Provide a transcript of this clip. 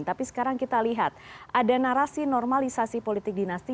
tapi sekarang kita lihat ada narasi normalisasi politik dinasti